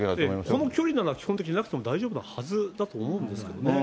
この距離なら、基本的になくても大丈夫なはずだと思うんですけどね。